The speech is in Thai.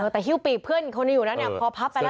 แต่ฮิวปีเพื่อนคนอยู่นั้นเนี่ยพอพับไปแล้วนะ